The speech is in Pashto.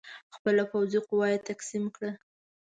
خپله پوځي قوه یې تقسیم کړه.